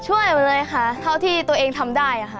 จะช่วยมาเลยครับเท่าที่ตัวเองทำได้